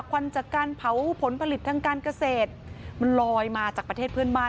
ควันจากการเผาผลผลิตทางการเกษตรมันลอยมาจากประเทศเพื่อนบ้าน